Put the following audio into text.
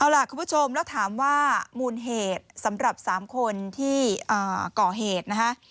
แล้วถามว่ามูลเหตุสำหรับ๓คนที่ก่อเหตุ